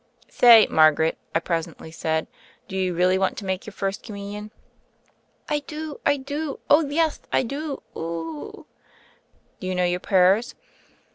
"Say, Margaret," I presently said, "do you really want to make your First Communion?" "I do, I do. Oh, yeth, Ido. O o o o ohl" "Do you know your prayers?"